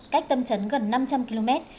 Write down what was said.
cách tâm chấn gần năm trăm linh km